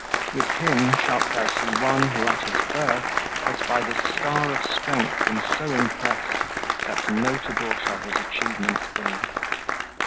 With him shalt thou see one who at his birth Has by this star of strength been so impressed, That notable shall his achievements be.